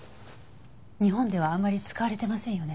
日本ではあまり使われてませんよね。